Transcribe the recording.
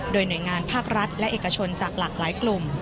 โดยหน่วยงานภาครัฐและเอกชนจากหลากหลายกลุ่ม